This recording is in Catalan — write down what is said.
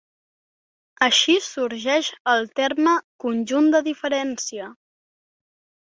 Així sorgeix el terme "conjunt de diferència".